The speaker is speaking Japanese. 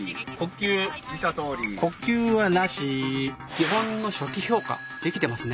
基本の「初期評価」できてますね。